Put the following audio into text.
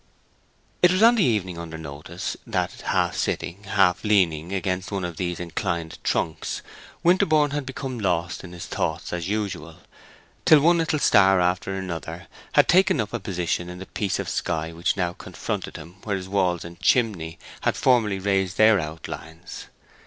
It was on the evening under notice that, half sitting, half leaning against one of these inclined trunks, Winterborne had become lost in his thoughts, as usual, till one little star after another had taken up a position in the piece of sky which now confronted him where his walls and chimneys had formerly raised their outlines.